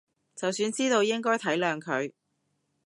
就算知道應該體諒佢